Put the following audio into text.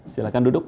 silahkan duduk pak